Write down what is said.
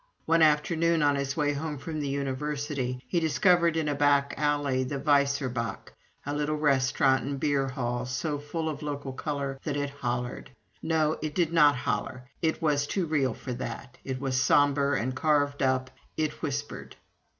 One afternoon, on his way home from the University, he discovered in a back alley the Weiser Boch, a little restaurant and beer hall so full of local color that it "hollered." No, it did not holler: it was too real for that. It was sombre and carved up it whispered.